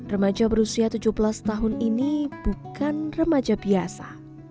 remaja berusia tujuh belas tahun ini bukan remaja biasa